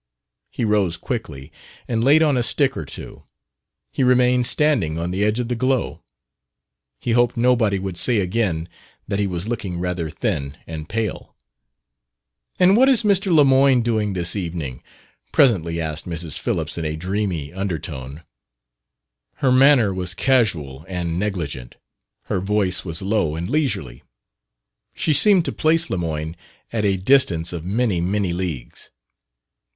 He rose quickly and laid on a stick or two. He remained standing on the edge of the glow. He hoped nobody would say again that he was looking rather thin and pale. "And what is Mr. Lemoyne doing this evening?" presently asked Mrs. Phillips in a dreamy undertone. Her manner was casual and negligent; her voice was low and leisurely. She seemed to place Lemoyne at a distance of many, many leagues.